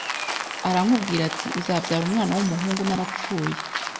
aramubwira ati Uzabyara umwana w’umuhungu narapfuye